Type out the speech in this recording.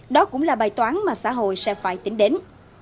đó cũng là bài toán mà xã hội sẽ phải tính đến